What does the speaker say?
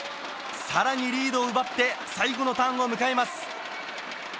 更にリードを奪って最後のターンを迎えます。